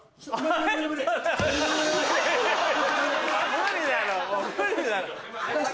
無理だろう。